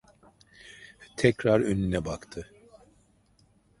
Tekrar önüne baktı.